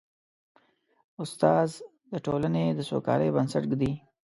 استاد د ټولنې د سوکالۍ بنسټ ږدي.